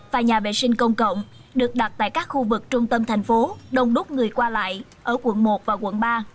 và nhà vệ sinh công cộng được đặt tại các khu vực trung tâm thành phố đông đúc người qua lại ở quận một và quận ba